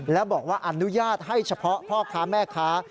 และบอกว่าอนุญาตให้เฉพาะพ่อค้าแม่ค้า